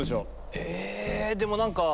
えでも何か。